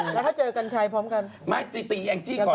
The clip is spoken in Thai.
แล้วถ้าเจอกัญชัยพร้อมกันมาจีตีแองจี้ก่อน